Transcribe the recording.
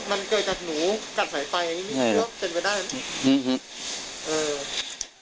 มันเกิดจัดหนูกัดไฟไฟมันก็เป็นไปได้